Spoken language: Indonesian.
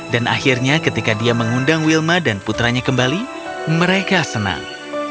dan akhirnya ketika dia mengundang wilma dan putranya kembali mereka senang